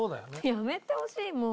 やめてほしいもう。